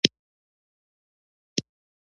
ملګري ټول د سړک پر غاړه پنډ شول.